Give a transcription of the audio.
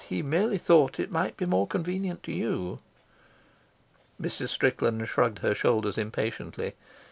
He merely thought it might be more convenient to you." Mrs. Strickland shrugged her shoulders impatiently.